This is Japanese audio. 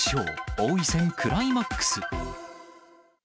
王位戦クライマックス。